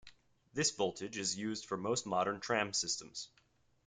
This voltage is used for most modern tram systems.